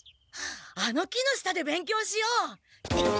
あの木の下で勉強しよう！